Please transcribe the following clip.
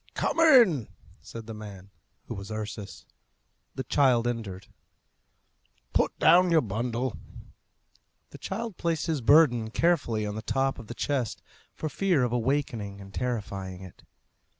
"Come in!" said the man, who was Ursus. The child entered. "Put down your bundle." The child placed his burden carefully on the top of the chest, for fear of awakening and terrifying it.